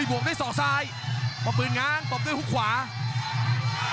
โอ้อีกห่วงด้วยสอกซ้าย